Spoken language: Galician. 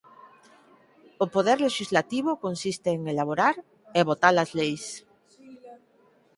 O poder lexislativo consiste en elaborar e votar as leis.